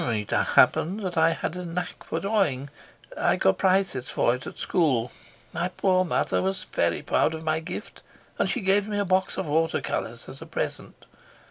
"It happened that I had a knack for drawing. I got prizes for it at school. My poor mother was very proud of my gift, and she gave me a box of water colours as a present.